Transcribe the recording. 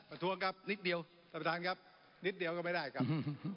ประทรวงครับนิดเดียวสัมภาษณ์ครับนิดเดียวก็ไม่ได้ครับ